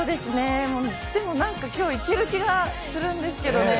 でもなんか今日、いける気がするんですけどね。